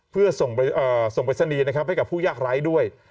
เพื่อส่งปริศนีย์นะครับให้กับผู้ยากร้ายด้วย